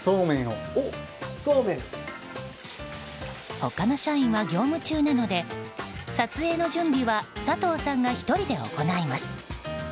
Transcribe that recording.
他の社員は業務中なので撮影の準備は佐藤さんが１人で行います。